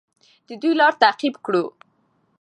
د دوی لار تعقیب کړو.